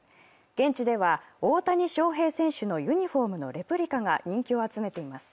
現地では大谷翔平選手のユニフォームのレプリカが人気を集めています。